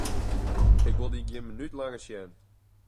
Ik wol dyn gjin minút langer sjen!